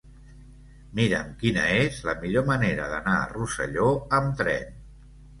Mira'm quina és la millor manera d'anar a Rosselló amb tren.